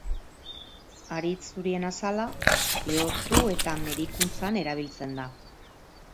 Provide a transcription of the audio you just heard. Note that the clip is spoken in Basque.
Haritz zurien azala lehortu eta medikuntzan erabiltzen da.